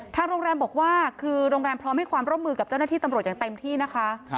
ทางโรงแรมบอกว่าคือโรงแรมพร้อมให้ความร่วมมือกับเจ้าหน้าที่ตำรวจอย่างเต็มที่นะคะ